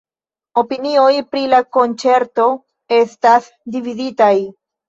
Opinioj pri la konĉerto estas dividitaj.